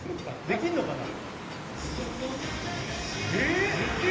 できるのかな